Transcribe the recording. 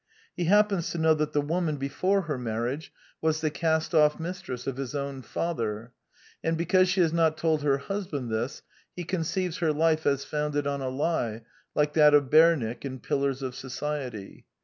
He happens to know that the woman, before her marriage, The Anti Idealist Plays 1 1 1 was the cast off mistress of his own fatherj^ and because she has not told her husband this, he con ceives her life^'a^'foimded on aTie", like that of Bernick~rnTil!ars of SocFety.